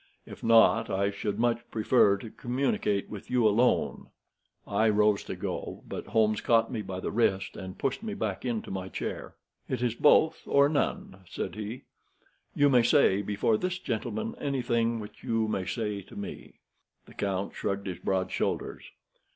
If not, I should much prefer to communicate with you alone." I rose to go, but Holmes caught me by the wrist and pushed me back into my chair. "It is both, or none," said he. "You may say before this gentleman anything which you may say to me." The count shrugged his broad shoulders.